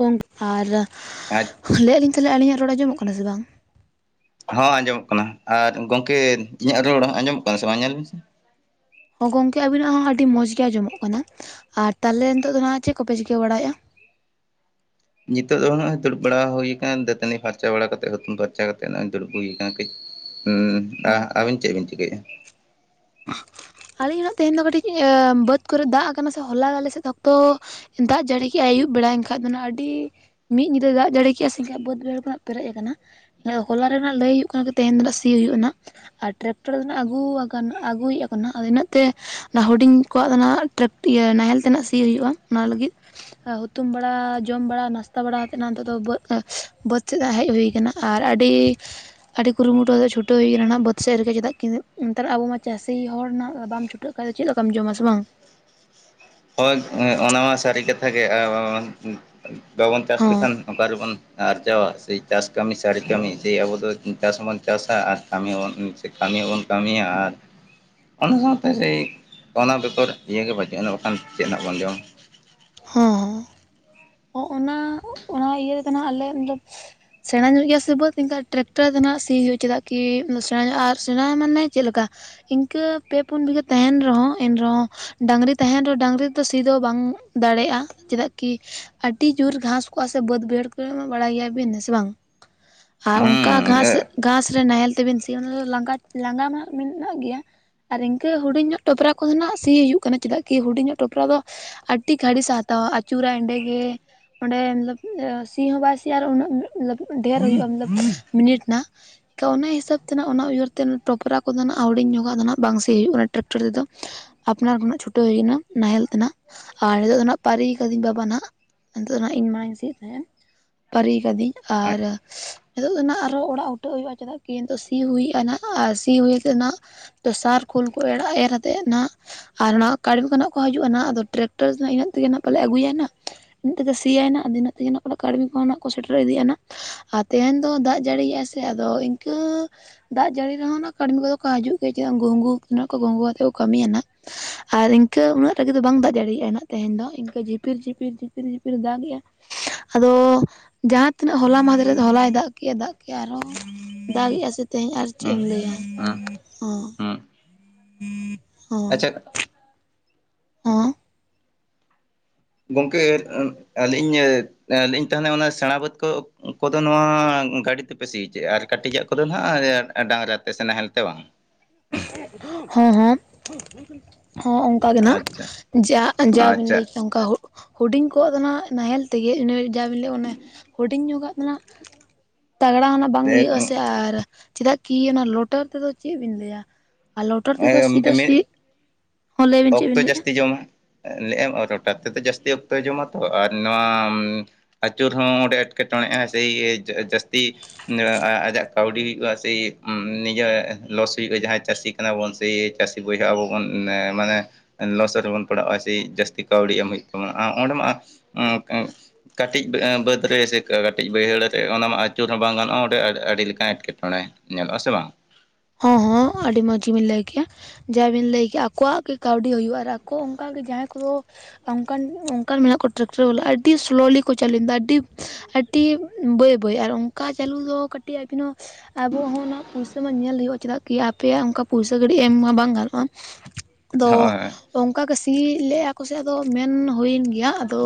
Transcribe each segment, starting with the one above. ᱜᱚᱝᱠᱮ ᱟᱨ ᱟᱡ ᱞᱟᱹᱭᱮᱫ ᱟᱞᱤᱧ ᱛᱟᱦᱚᱞᱮ ᱟᱹᱞᱤᱧᱟᱜ ᱨᱚᱲ ᱟᱸᱡᱚᱢᱚᱜ ᱠᱟᱱᱟ ᱥᱮ ᱵᱟᱝ? ᱦᱚᱸ ᱟᱸᱡᱚᱢᱚᱜ ᱠᱟᱱᱟ ᱟᱨ ᱜᱚᱝᱠᱮ ᱤᱧᱟᱹᱜ ᱨᱚᱲ ᱦᱚᱸ ᱟᱸᱡᱚᱢᱚᱜ ᱠᱟᱱᱟ ᱥᱮ ᱵᱟᱝ ᱧᱮᱞ ᱵᱤᱱ ᱥᱮ? ᱦᱚᱸ ᱜᱚᱝᱠᱮ ᱟᱵᱤᱱᱟᱜ ᱦᱚᱸ ᱟᱹᱰᱤ ᱢᱚᱡᱽ ᱜᱮ ᱟᱡᱚᱢᱚᱜ ᱠᱟᱱᱟ, ᱟᱨ ᱛᱟᱦᱞᱮ ᱱᱤᱛᱚᱜ ᱫᱚ ᱦᱟᱜ ᱪᱮᱫ ᱠᱚᱯᱮ ᱪᱤᱠᱟᱹ ᱵᱟᱲᱟᱭᱮᱜᱼᱟ? ᱱᱤᱛᱚᱜ ᱫᱚ ᱱᱚᱜᱼᱚᱭ ᱫᱩᱲᱩᱵ ᱵᱟᱲᱟ ᱦᱩᱭ ᱠᱟᱱᱟ, ᱫᱟᱹᱛᱟᱹᱱᱤ ᱯᱷᱟᱨᱪᱟ ᱵᱟᱲᱟ ᱠᱟᱛᱮ ᱦᱩᱛᱩᱢ ᱯᱷᱟᱨᱪᱟ ᱠᱟᱛᱮ ᱱᱚᱜ-ᱚᱭ ᱫᱩᱲᱩᱵ ᱦᱩᱭ ᱠᱟᱱᱟ ᱠᱟᱹᱡ ᱾ ᱦᱩᱸ ᱟ ᱟᱹᱵᱤᱱ ᱪᱮᱫ ᱵᱤᱱ ᱪᱤᱠᱟᱹᱭᱮᱫ-ᱟ? ᱟᱞᱤᱧ ᱦᱚ ᱱᱟᱜ ᱛᱮᱦᱮᱧ ᱫᱚ ᱠᱟᱹᱴᱤᱡ ᱵᱟᱹᱫᱽ ᱠᱚᱨᱮ ᱫᱟᱜ ᱠᱟᱱᱟ ᱥᱮ ᱦᱚᱞᱟ ᱟᱞᱮ ᱥᱮᱫ ᱚᱠᱛᱚ ᱫᱟᱜ ᱡᱟᱹᱲᱤ ᱠᱮᱜᱼᱟᱭ ᱟᱹᱭᱩᱵ ᱵᱮᱲᱟ ᱮᱱᱠᱷᱟᱡ ᱫᱚ ᱱᱟᱜ ᱟᱹᱰᱤ ᱢᱤᱫ ᱧᱤᱫᱟᱹ ᱫᱟᱜ ᱡᱟᱲᱮ ᱠᱼᱟ ᱥᱮ [inaudible] ᱵᱟᱹᱫᱽ ᱨᱮᱫᱚ ᱦᱟᱜ ᱯᱮᱨᱮᱡ ᱠᱟᱱᱟ᱾ ᱦᱚᱞᱟ ᱨᱮ ᱱᱟ ᱞᱟᱹᱭ ᱦᱩᱭᱩᱜ ᱠᱟᱱ ᱛᱮᱦᱮᱧ ᱫᱚ ᱱᱟᱜ ᱥᱤ ᱦᱳᱭᱳᱜ ᱱᱟᱜ ᱟᱨ ᱴᱨᱟᱠᱴᱟᱨ ᱫᱚ ᱱᱟᱜ ᱟᱹᱜᱩ ᱣᱟᱠᱟᱱᱟ ᱟᱹᱜᱩᱭᱮᱼᱟᱠᱟᱱ ᱱᱟᱜ ᱟᱫᱚ ᱤᱱᱟᱹᱜ ᱛᱮ ᱱᱟ ᱦᱩᱰᱤᱧ ᱠᱚᱣᱟᱜ ᱫᱚ ᱱᱟᱜ ᱴᱨᱮᱠ ᱤᱭᱟ ᱱᱟᱦᱮᱞ ᱛᱮᱱᱟᱜ ᱥᱤ ᱦᱩᱭᱩᱜᱼᱟ ᱚᱱᱟ ᱞᱟᱹᱜᱤᱫ ᱦᱩᱛᱩᱢ ᱵᱟᱲᱟ ᱡᱚᱢ ᱵᱟᱲᱟ ᱱᱟᱥᱛᱟ ᱵᱟᱲᱟ ᱟᱛᱮᱫ ᱱᱟᱸᱜ ᱱᱤᱛᱳ ᱫᱚ ᱵᱟᱹ ᱮᱸ ᱵᱟᱹᱫᱽ ᱥᱮᱜ ᱦᱟᱸᱜ ᱦᱮᱡ ᱦᱩᱭ ᱠᱟᱱᱟ᱾ ᱟᱨ ᱟᱹᱰᱤ ᱟᱹᱰᱤ ᱠᱩᱨᱩᱢᱩᱴᱩ ᱟᱛᱮᱜ ᱪᱷᱩᱴᱟᱹᱣ ᱦᱩᱭ ᱠᱟᱱᱟ ᱱᱟᱸᱜ ᱵᱟᱹᱫᱽ ᱥᱮᱜ ᱨᱮᱜᱮ ᱪᱮᱫᱟᱜ ᱠᱤᱱ ᱱᱮᱛᱟᱨ ᱟᱵᱚ ᱢᱟ ᱪᱟᱹᱥᱤ ᱦᱚᱲ ᱱᱟᱹᱜ ᱵᱟᱢ ᱪᱷᱩᱴᱟᱹᱜ ᱠᱷᱟᱡ ᱫᱚ ᱪᱮᱜᱞᱮᱠᱟᱢ ᱡᱚᱢᱟ ᱥᱮ ᱵᱟᱝ ᱦᱳᱭ ᱚᱱᱟ ᱢᱟ ᱥᱟᱹᱨᱤ ᱠᱟᱛᱷᱟ ᱜᱮ ᱟᱨ ᱵᱟᱵᱚᱱ ᱵᱟᱵᱚᱱ ᱪᱟᱥ ᱦᱚᱸ ᱞᱮᱠᱷᱟᱱ ᱱᱚᱝᱠᱟ ᱨᱮᱵᱚᱱ ᱟᱨᱡᱟᱣᱟ ᱥᱮᱡ ᱪᱟᱥ ᱠᱟᱹᱢᱤ ᱥᱟᱹᱨᱤ ᱠᱟᱹᱢᱤ ᱥᱮ ᱟᱵᱚᱫᱚ ᱪᱟᱥ ᱦᱚᱸᱵᱚᱱ ᱪᱟᱥᱟ ᱟᱨ ᱠᱟᱹᱢᱤ ᱦᱚᱸᱵᱚᱱ ᱠᱟᱹᱢᱤ ᱦᱚᱵᱚᱱ ᱠᱟᱹᱢᱤᱭᱟ ᱟᱨ ᱚᱱᱟ ᱥᱟᱶᱛᱮ ᱥᱮᱭ ᱚᱱᱟ ᱵᱮᱠᱷᱚᱨ ᱤᱭᱟᱹᱜᱮ ᱵᱟᱹᱪᱩᱜᱼᱟᱱᱟ ᱟᱱ ᱪᱮᱜ ᱱᱟᱜ ᱵᱚᱱ ᱡᱚᱢ ᱦᱚᱸ ᱦᱚᱸ ᱚᱸ ᱚᱱᱟ ᱚᱱᱟ ᱤᱭᱟᱹ ᱨᱮᱫᱚ ᱱᱟᱜ ᱟᱞᱮ ᱡᱚᱵ ᱥᱮᱬᱟ ᱧᱚᱜ ᱜᱮᱭᱟ ᱥᱮ ᱵᱟᱹᱫᱽ ᱮᱱᱠᱷᱟᱡ ᱴᱨᱮᱠᱴᱟᱨ ᱫᱚ ᱱᱟᱜ ᱥᱤ ᱦᱩᱭᱩᱜᱼᱟ ᱪᱮᱫᱟᱜ ᱠᱤ ᱥᱮᱬᱟ ᱧᱚᱜᱼᱟ ᱟᱨ ᱥᱮᱬᱟ ᱢᱟᱱᱮ ᱪᱮᱜ ᱞᱮᱠᱟ ᱤᱝᱠᱟᱹ ᱯᱮ ᱯᱩᱱ ᱵᱤᱜᱷᱟᱹ ᱛᱟᱦᱮᱱ ᱨᱮᱦᱚᱸ ᱮᱱᱨᱮᱦᱚᱸ ᱰᱟᱝᱨᱤ ᱛᱟᱦᱮᱱ ᱨᱮᱦᱚᱸ ᱰᱟᱝᱨᱤᱛᱚ ᱥᱤ ᱫᱚ ᱵᱟᱝ ᱫᱟᱲᱮᱜᱼᱟ ᱪᱮᱫᱟᱜ ᱠᱤ ᱟᱹᱰᱤ ᱡᱳᱨ ᱜᱷᱟᱸᱥ ᱠᱚᱜᱼᱟ ᱥᱮ ᱵᱟᱹᱫ ᱵᱟᱹᱭᱦᱟᱹᱲ ᱠᱚᱨᱮ ᱢᱟ ᱵᱟᱲᱟᱭ ᱜᱮᱭᱟᱵᱤᱱ ᱦᱮᱸ ᱥᱮ ᱵᱟᱝ [inaudible] ᱟᱨ ᱚᱝᱠᱟ ᱜᱷᱟᱥ ᱜᱷᱟᱸᱥ ᱨᱮ ᱱᱟᱦᱮᱞ ᱛᱮᱵᱤᱱ ᱥᱤᱭᱟ ᱚᱱᱟ ᱞᱟᱸ ᱞᱟᱸᱜᱟ ᱞᱟᱸᱜᱟ ᱢᱟ ᱢᱮᱱᱟᱜ ᱜᱮᱭᱟ ᱟᱨ ᱤᱝᱠᱟᱹ ᱦᱩᱰᱤᱧ ᱧᱚᱜ ᱴᱚᱯᱨᱟ ᱠᱚᱦᱚ ᱱᱟᱜ ᱥᱤ ᱦᱩᱭᱩᱜ ᱠᱟᱱᱟ ᱪᱮᱫᱟᱜ ᱠᱤ ᱦᱩᱰᱤᱧ ᱧᱚᱜ ᱴᱚᱯᱨᱟ ᱫᱚ ᱛᱤ ᱜᱷᱟᱹᱲᱤᱥ ᱥᱮ ᱦᱟᱛᱟᱣᱟ ᱟᱹᱪᱩᱨᱟᱭ ᱮᱸᱰᱮᱜᱮ ᱚᱸᱰᱮ ᱢᱟᱛᱽᱞᱚᱵ ᱥᱤ ᱦᱚᱸ ᱵᱟᱭ ᱥᱤᱭᱟ ᱟᱨ ᱩᱱᱟᱹᱜ ᱢᱚᱛᱞᱚᱵ ᱫᱷᱹᱮᱨ ᱦᱩᱭᱩᱜᱼᱟ ᱢᱚᱛᱞᱚᱵ ᱢᱤᱱᱤᱴ ᱱᱟᱜ ᱛᱚ ᱚᱱᱟ ᱦᱤᱥᱟᱹᱵ ᱛᱮ ᱱᱟᱸᱜ ᱚᱱᱟ ᱩᱭᱦᱟᱹᱨ ᱛᱮᱱ ᱴᱚᱯᱨᱟ ᱠᱚᱫᱚ ᱱᱟᱸᱜ ᱦᱩᱰᱤᱧ ᱧᱚᱜᱟᱜ ᱟᱫᱚ ᱱᱟᱸᱜ ᱵᱟᱝ ᱥᱤ ᱦᱩᱭᱩᱜ ᱠᱟᱱᱟ ᱴᱨᱮᱠᱴᱚᱨ ᱛᱮᱫᱚ ᱟᱯᱱᱟᱨ ᱱᱩᱱᱟᱹᱜ ᱪᱷᱩᱴᱟᱹᱣ ᱦᱩᱭ ᱱᱟ ᱱᱟᱦᱮᱞ ᱛᱮ ᱱᱟᱸᱜ ᱟᱨ ᱱᱤᱛᱚᱜ ᱫᱚ ᱱᱟᱸᱜ ᱯᱟᱹᱨᱤ ᱠᱟᱹᱫᱤᱧ ᱵᱟᱵᱟ ᱱᱟᱦᱟᱜ ᱱᱤᱛᱚᱜ ᱫᱚ ᱱᱟᱦᱟᱜ ᱤᱧ ᱢᱟᱭ ᱥᱤᱭᱮᱫ ᱛᱟᱦᱮᱸᱫ ᱯᱟᱹᱨᱤ ᱠᱟᱹᱫᱤᱧ ᱟᱨ ᱱᱤᱛᱚᱜ ᱫᱚ ᱱᱟᱸᱜ ᱟᱨᱦᱚ ᱚᱲᱟᱜ ᱩᱴᱟᱹᱜ ᱦᱩᱭᱩᱜᱼᱟ ᱪᱮᱫᱟᱜ ᱠᱤ ᱱᱤᱛᱚᱜ ᱥᱤ ᱦᱩᱭᱼᱟ ᱱᱟᱸᱜ ᱟᱨ ᱥᱤ ᱦᱩᱭᱛᱮ ᱱᱟᱸᱜ ᱛᱚ ᱥᱟᱨ ᱠᱷᱳᱞ ᱠᱚ ᱮᱲᱟᱹᱜ ᱮᱨᱟᱛᱮᱜ ᱱᱟᱸᱜ ᱟᱨ ᱦᱚ ᱱᱟᱸᱜ ᱠᱟᱹᱴᱷ ᱟᱜᱩ ᱠᱚ ᱱᱟᱸᱜ ᱠᱚ ᱦᱟᱹᱡᱩᱜᱼᱟ ᱱᱟᱸᱜ ᱟᱫᱚ ᱴᱨᱮᱠ ᱴᱟᱨ ᱛᱮ ᱤᱱᱟᱹᱜ ᱛᱮᱜᱮ ᱱᱟᱜ ᱯᱟᱞᱮᱜ ᱟᱹᱜᱩᱭᱟᱭ ᱱᱟᱜ ᱤᱱᱛᱮᱫᱚ ᱥᱤᱭᱟᱭᱱᱟᱹᱜ ᱟᱫᱚ ᱱᱟᱸᱜ ᱥᱤᱭᱟᱭ ᱱᱟᱸᱜ ᱚᱱᱟ ᱠᱟᱹᱴᱷ ᱜᱮᱠᱚ ᱱᱟᱹᱜ ᱠᱚ ᱥᱮᱴᱮᱨ ᱤᱫᱤᱭᱟᱼᱟ ᱱᱟᱜ ᱟᱨ ᱛᱮᱦᱮᱱ ᱫᱚ ᱫᱟᱜ ᱡᱟᱹᱲᱤᱭᱮᱜᱟᱭ ᱥᱮ ᱟᱫᱚ ᱤᱝᱠᱟᱹ ᱫᱟᱜ ᱡᱟᱹᱲᱤ ᱨᱮᱦᱚᱸ ᱱᱟᱜ ᱠᱟᱹᱰᱢᱤ ᱠᱚᱫᱚ ᱠᱚ ᱦᱟᱡᱩᱜ ᱜᱮ ᱪᱮᱫᱟᱜ ᱜᱷᱩᱝᱜᱩ ᱦᱮᱱᱟᱹᱜ ᱠᱚ ᱜᱚᱝᱜᱩ ᱟᱛᱮᱜ ᱠᱚ ᱠᱟᱹᱢᱤᱭᱟ ᱱᱟᱜ ᱟᱨ ᱤᱝᱠᱟᱹ ᱩᱱᱟᱹᱜ ᱨᱟᱹᱜᱤ ᱫᱚ ᱵᱟᱝ ᱫᱟᱜ ᱡᱟᱲᱤᱭᱮᱜᱼᱟ ᱮᱱᱚᱜ ᱛᱮᱦᱮᱱ ᱫᱚ ᱤᱱᱠᱟᱹ ᱡᱷᱤᱯᱤᱨ ᱡᱷᱤᱯᱤᱨ ᱡᱷᱤᱯᱤᱨ ᱡᱷᱤᱯᱤᱨ ᱫᱟᱜᱮᱜᱼᱟ ᱟᱫᱚ ᱡᱟᱦᱟᱸᱛᱤᱱᱟᱹᱜ ᱦᱚᱞᱟ ᱢᱟᱦᱫᱷᱮᱨ ᱨᱮ ᱦᱚᱞᱟᱭ ᱫᱟᱜ ᱠᱮᱜᱼᱟᱭ ᱫᱟᱜ ᱠᱮᱜᱼᱟ ᱟᱨᱦᱚ ᱫᱟᱜ ᱮᱜᱼᱟ ᱥᱮ ᱛᱮᱦᱮᱧ ᱟᱨ ᱪᱮᱜ ᱦᱩᱸ ᱮᱢ ᱞᱮᱭᱟ ᱦᱩᱸ ᱚᱸ ᱦᱩᱸ ᱟᱪᱪᱷᱟ ᱦᱮᱸ ᱜᱚᱝᱠᱮ ᱟᱹᱞᱤᱧ ᱧᱟ ᱟᱹᱞᱤᱧ ᱛᱚ ᱦᱟᱱᱮ ᱚᱱᱟ ᱥᱮᱬᱟ ᱵᱟᱹᱫ ᱠᱚ ᱩᱱᱠᱩᱫᱚ ᱱᱚᱣᱟ ᱜᱟᱹᱰᱤ ᱛᱮᱯᱮ ᱥᱤᱪᱚᱭᱮᱜᱼᱟ ᱟᱨ ᱠᱟᱹᱴᱤᱡᱟᱜ ᱠᱚᱫᱚ ᱱᱟᱜ ᱟᱸᱭᱮ ᱰᱟᱝᱨᱟ ᱛᱮ ᱥᱮᱸ ᱱᱟᱦᱮᱞ ᱛᱮ ᱵᱟᱝ ᱦᱚᱸ ᱦᱚᱸ ᱦᱚᱸ ᱚᱱᱠᱟ ᱜᱮ ᱱᱟᱜ ᱟᱪᱪᱷᱟ ᱡᱟ ᱡᱟ ᱵᱮᱱ ᱟᱪᱪᱷᱟ ᱞᱟᱹᱭ ᱠᱮᱜᱼᱭᱟ ᱚᱝᱠᱟ ᱦᱩᱜ ᱦᱩᱰᱤᱧ ᱠᱚᱣᱟᱜ ᱫᱚ ᱱᱟᱜ ᱱᱟᱦᱮᱞ ᱛᱮᱜᱮ ᱤᱱᱟᱹᱭ ᱡᱟᱵᱤᱱ ᱞᱟᱹᱭ ᱚᱱᱟ ᱦᱩᱰᱤᱧ ᱧᱚᱜᱟᱜ ᱫᱚ ᱱᱟᱜ ᱛᱟᱜᱽᱲᱟᱼᱚᱱᱟ ᱵᱟᱝ ᱮ ᱤᱭᱟᱹᱜ ᱟᱥᱮ ᱟᱨ ᱪᱮᱫᱟᱜ ᱠᱤ ᱚᱱᱟ ᱞᱚᱴᱟᱹᱨ ᱛᱮᱫᱚ ᱪᱮᱜ ᱵᱤᱱ ᱞᱟᱹᱭᱟ ᱟᱨ ᱞᱳᱴᱟᱹᱨ ᱛᱮ ᱫᱚ ᱥᱤ ᱫᱚ ᱮ ᱥᱤ ᱦᱚᱸ ᱞᱟᱹᱭ ᱵᱤᱱ ᱪᱮᱫ ᱵᱤᱱ ᱚᱠᱛᱚ ᱞᱟᱹᱭᱮᱜᱼᱟ ᱡᱟᱹᱥᱛᱤ ᱡᱚᱢᱟ ᱞᱮᱜᱼᱟᱢ ᱨᱚᱴᱟᱨ ᱛᱮᱫᱚ ᱡᱟᱹᱥᱛᱤ ᱚᱠᱛᱚᱭ ᱡᱚᱢᱟ ᱛᱚ ᱟᱨ ᱱᱚᱣᱟ ᱟᱹᱪᱩᱨ ᱦᱚᱸ ᱚᱸᱰᱮ ᱮᱸᱴᱠᱮᱴᱚᱬᱮᱜᱼᱟ ᱥᱮᱭ ᱡᱟᱹᱜ ᱡᱟᱹᱥᱛᱤ ᱟᱡᱟᱜ ᱠᱟᱹᱣᱰᱤ ᱦᱩᱭᱩᱜᱼᱟ ᱥᱮ ᱱᱤᱡᱮᱜ ᱞᱚᱥ ᱦᱩᱭᱩᱜᱼᱟ ᱡᱟᱦᱟᱸᱭ ᱪᱟᱹᱥᱤ ᱠᱟᱱᱟ ᱵᱚᱱ ᱥᱮ ᱪᱟᱹᱥᱤ ᱵᱚᱭᱦᱚᱸ ᱟᱵᱚ ᱵᱚᱱ ᱢᱟᱱᱮ ᱞᱚᱥ ᱨᱮᱵᱚᱱ ᱯᱟᱲᱟᱜᱼᱟ ᱥᱮᱭ ᱡᱟᱹᱥᱛᱤ ᱠᱟᱹᱣᱰᱤ ᱮᱢ ᱦᱩᱭᱩᱜ ᱛᱟᱵᱚᱱᱟ ᱟᱸ ᱚᱸᱰᱮ ᱢᱟ ᱠᱟᱹᱴᱤᱡ ᱟᱸ ᱵᱟᱹᱫᱽ ᱨᱮ ᱥᱮ ᱠᱟᱹᱴᱤᱡ ᱵᱟᱹᱭᱦᱟᱹᱲ ᱨᱮ ᱚᱱᱟ ᱢᱟ ᱟᱹᱪᱩᱨ ᱦᱚᱸ ᱵᱟᱝ ᱜᱟᱱᱚᱜᱼᱟ ᱚᱸᱰᱮ ᱟᱹᱰᱤᱞᱮᱠᱟᱱ ᱮᱸᱴᱠᱮᱴᱚᱸᱬᱮ ᱧᱮᱞᱚᱜ ᱟᱥᱮ ᱵᱟᱝ ᱦᱚᱸ ᱦᱚᱸ ᱟᱹᱰᱤ ᱢᱚᱸᱡᱽ ᱜᱮᱵᱤᱱ ᱞᱟᱹᱭ ᱠᱮᱜᱼᱟ ᱡᱟᱦᱟᱸᱭ ᱵᱤᱱ ᱞᱟᱹᱭ ᱠᱮᱜᱼᱟ ᱟᱠᱚᱣᱟᱜ ᱜᱮ ᱠᱟᱹᱣᱰᱤ ᱦᱩᱭᱩᱜᱼᱟ ᱟᱨ ᱟᱠᱚ ᱚᱝᱠᱟᱜᱮ ᱡᱟᱦᱟᱸᱭ ᱠᱚᱫᱚ ᱚᱱᱠᱟᱱ ᱚᱱᱠᱟᱱ ᱢᱮᱱᱟᱜ ᱠᱚ ᱴᱨᱟᱠᱴᱟᱨ ᱵᱟᱞᱟ ᱟᱹᱰᱤ ᱥᱳᱞᱳᱞᱤ ᱠᱚ ᱪᱟᱹᱞᱩᱭᱟ ᱟᱹᱰᱤ ᱟᱹᱰᱤ ᱵᱟᱹᱭ ᱵᱟᱹᱭ ᱟᱨ ᱚᱱᱠᱟ ᱪᱟᱹᱞᱩ ᱫᱚ ᱠᱟᱹᱴᱤᱡ ᱟᱵᱚ ᱦᱚᱸ ᱯᱩᱭᱥᱟ ᱢᱟ ᱧᱮᱞ ᱦᱳᱭᱳᱼᱟ ᱪᱟᱜ ᱠᱤ ᱟᱯᱮᱭᱟᱜ ᱚᱱᱠᱟ ᱯᱩᱭᱥᱟ ᱜᱤᱰᱤ ᱮᱢ ᱢᱟ ᱵᱟᱝ ᱜᱟᱱᱚᱜᱼᱟ᱾ ᱛᱚ ᱦᱳᱭ ᱦᱳᱭ ᱚᱱᱠᱟᱜᱮ ᱥᱤ ᱞᱮᱫᱼᱟ ᱠᱚᱥᱮ ᱟᱫᱚ ᱢᱮᱱ ᱦᱩᱭᱮᱱ ᱜᱮᱭᱟ ᱟᱫᱚ᱾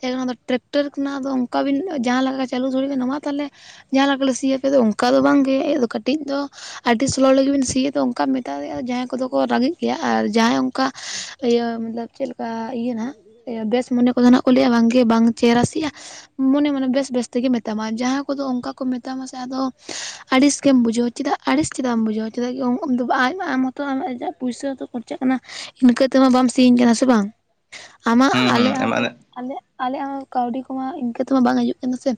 ᱡᱮ ᱚᱱᱟ ᱫᱚ ᱴᱨᱟᱠᱴᱟᱨ ᱨᱮᱱᱟᱜ ᱫᱚ ᱚᱱᱠᱟ ᱵᱤᱱ ᱡᱟᱦᱟᱸ ᱞᱮᱠᱟ ᱪᱟᱹᱞᱩ ᱫᱟᱲᱮ ᱵᱱᱟ ᱢᱟ ᱛᱟᱦᱚᱞᱮ᱾ ᱡᱟᱦᱟᱸ ᱞᱮᱠᱟᱞᱮ ᱥᱤᱭᱟᱯ ᱫᱚ ᱚᱱᱠᱟ ᱫᱚ ᱵᱟᱝᱜᱮ ᱟᱫᱚ ᱠᱟᱹᱴᱤᱡ ᱫᱚ ᱟᱹᱰᱤ ᱥᱚᱞᱚ ᱞᱟᱹᱜᱤᱫ ᱵᱤᱱ ᱥᱤᱭᱟ ᱫᱚ ᱚᱱᱠᱟ ᱢᱮᱛᱟ ᱫᱮᱼᱟ ᱡᱟᱦᱟᱸᱭ ᱠᱚᱫᱚ ᱠᱚ ᱨᱸᱜᱤᱮᱡ ᱜᱮᱭᱟ ᱟᱨ ᱡᱟᱦᱟᱸᱭ ᱚᱱᱠᱟ᱾ ᱤᱭᱟᱹ ᱢᱚᱛᱞᱚᱵ ᱪᱮᱫᱮᱠᱟ ᱤᱭᱟᱹ ᱱᱟᱜ ᱵᱮᱥ ᱢᱚᱱᱮ ᱠᱚᱫᱚ ᱱᱟᱜ ᱠᱚ ᱞᱟᱹᱭᱮᱜᱼᱟ ᱵᱟᱝᱜᱮ ᱵᱟᱝ ᱪᱮ ᱨᱟᱥᱤᱜᱼᱟ᱾ ᱢᱚᱱᱮ ᱢᱚᱱᱮ ᱵᱮᱥ ᱵᱮᱥ ᱛᱮᱜᱮ ᱢᱮᱛᱟᱢᱟ, ᱡᱟᱦᱟᱸ ᱠᱚᱫᱚ ᱚᱱᱠᱟ ᱠᱚ ᱢᱮᱛᱟᱢᱟ ᱥᱮ ᱟᱫᱚ ᱟᱹᱲᱤᱥ ᱜᱮᱢ ᱵᱩᱡᱷᱟᱹᱣᱚ᱾ ᱪᱮᱫᱟᱜ ᱟᱹᱲᱤᱥ ᱪᱮᱫᱟᱜ ᱮᱢ ᱵᱩᱡᱷᱟᱹᱣᱟ, ᱪᱮᱫᱟᱜ ᱟᱢ ᱦᱚᱛᱚ ᱟᱢ ᱟᱡᱟᱜ ᱯᱩᱭᱥᱟᱹᱛᱚ ᱠᱷᱚᱨᱪᱟᱜ ᱠᱟᱱᱟ᱾ ᱤᱱᱠᱟᱹ ᱛᱮᱢᱟ ᱵᱟᱢ ᱥᱤᱧᱧ ᱠᱟᱱᱟ ᱥᱮ ᱵᱟᱝ᱾ ᱟᱢᱟᱜ ᱦᱩᱸ ᱦᱩᱸ ᱟᱞᱮᱭᱟᱜ ᱮᱢᱟᱱ ᱟᱞᱮ ᱟᱞᱮᱭᱟᱜ ᱦᱚᱸ ᱠᱟᱹᱣᱰᱤ ᱠᱚᱢᱟ ᱤᱱᱠᱟᱹ ᱛᱮᱢᱟ ᱵᱟᱝ ᱦᱤᱡᱩᱜᱼᱟ᱾ ᱪᱮᱫ ᱥᱮ